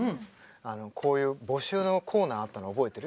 こういう募集のコーナーあったの覚えてる？